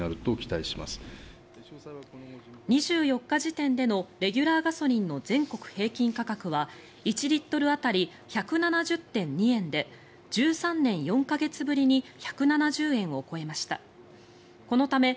２４日時点でのレギュラーガソリンの全国平均価格は１リットル当たり１７０．２円で１３年４か月ぶりに１７０円を超えました。